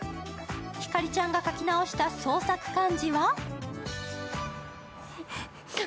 ひかりちゃんが書き直した創作漢字は？